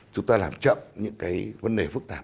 chúng ta làm chậm những cái vấn đề phức tạp